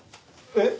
えっ？